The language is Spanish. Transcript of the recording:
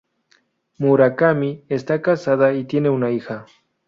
Murakami está casada y tiene una hija.